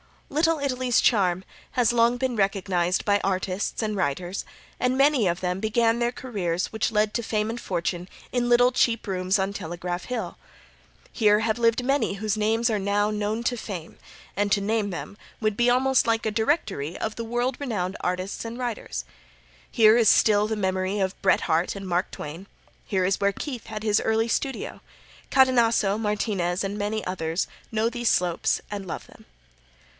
Little Italy's charm has long been recognized by artists and writers, and many of them began their careers which led to fame and fortune in little cheap rooms on Telegraph Hill. Here have lived many whose names are now known to fame, and to name them would be almost like a directory of world renowned artists and writers. Here is still the memory of Bret Harte and Mark Twain. Here is where Keith had his early studio. Cadenasso, Martinez, and many others know these slopes and love them.